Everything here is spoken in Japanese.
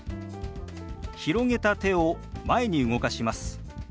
広げた手を前に動かします。